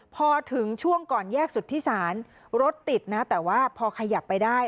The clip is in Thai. พอถึงช่วงก่อนแยกสุธิศาลรถติดนะแต่ว่าพอขยับไปได้